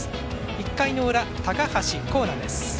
１回の裏、高橋光成です。